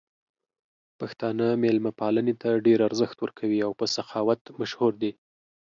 پښتانه مېلمه پالنې ته ډېر ارزښت ورکوي او په سخاوت مشهور دي.